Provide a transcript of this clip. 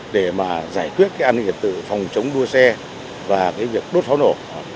để giải quyết an nghệ tự phòng chống đua xe và việc đốt pháo nổ